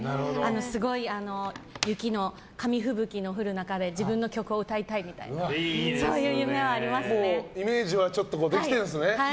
すごい雪の紙ふぶきの降る中で自分の曲を歌いたいみたいなイメージはできてるんですね。